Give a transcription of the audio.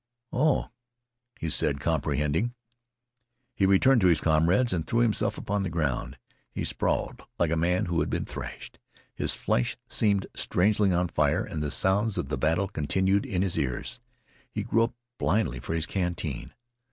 "Oh," he said, comprehending. He returned to his comrades and threw himself upon the ground. He sprawled like a man who had been thrashed. His flesh seemed strangely on fire, and the sounds of the battle continued in his ears. He groped blindly for his canteen.